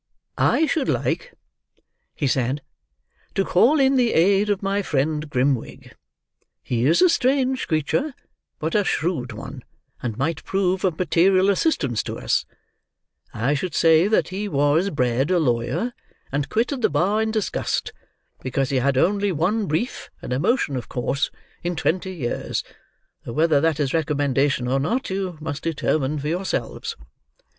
"I should like," he said, "to call in the aid of my friend Grimwig. He is a strange creature, but a shrewd one, and might prove of material assistance to us; I should say that he was bred a lawyer, and quitted the Bar in disgust because he had only one brief and a motion of course, in twenty years, though whether that is recommendation or not, you must determine for yourselves."